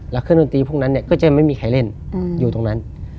แล้วเครื่องดนตรีพวกนั้นก็จะไม่มีใครเล่นอยู่ตรงนั้น